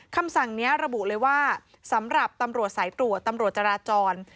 คำสั่งนี้ระบุเลยว่าสำหรับตำรวจสายตรวจตำรวจจราจร